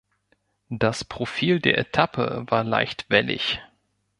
Das Profil der Etappe war leicht wellig.